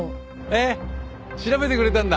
えっ調べてくれたんだ。